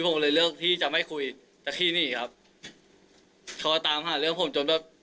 ผมเลยเลือกที่จะไม่คุยตะขี้หนีครับโทรตามหาเรื่องผมจนแบบ